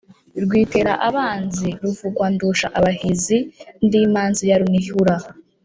Rwitera abanzi ruvugwa ndusha abahizi, ndi imanzi ya Runihura,